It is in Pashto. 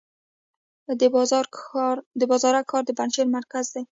د بازارک ښار د پنجشیر مرکز دی